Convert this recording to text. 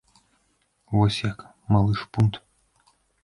Вось як, малы шпунт!